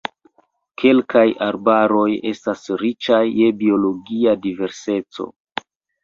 Kelkaj arbaroj estas riĉaj je biologia diverseco.